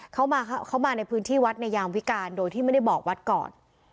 เขามาในพื้นที่วัดในยามวิการโดยที่ไม่ได้บอกวัดก่อน